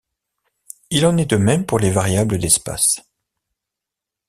Il en est de même pour les variables d'espace.